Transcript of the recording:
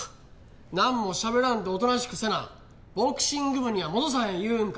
なんも喋らんとおとなしくせなボクシング部には戻さへんいうんか？